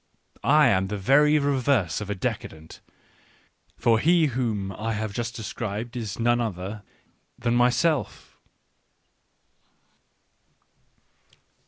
I am the very reverse of a decadent, for he whom I have just described is none other than myself.